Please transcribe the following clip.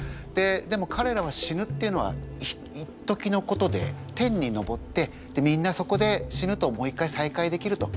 でもかれらは死ぬっていうのはいっときのことで天にのぼってみんなそこで死ぬともう一回さいかいできると。